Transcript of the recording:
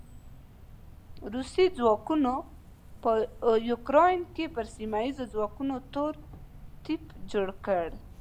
روسي ځواکونو په يوکراين کې پر سیمه ايزو ځواکونو تور تيپ جوړ کړ.